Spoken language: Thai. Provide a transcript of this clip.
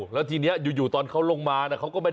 แล้วทีนี้อยู่ตอนเขาลงมานะ